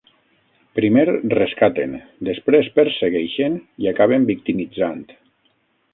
Primer rescaten, després persegueixen i acaben victimitzant.